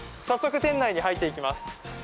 早速店内に入っていきます。